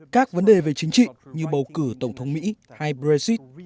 các vấn đề về chính trị như bầu cử tổng thống mỹ hay brexit